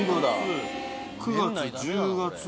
９月１０月。